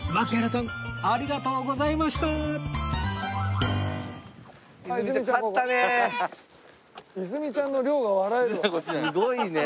すごいね。